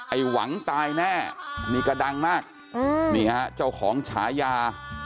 หวังตายแน่นี่ก็ดังมากนี่ฮะเจ้าของฉายา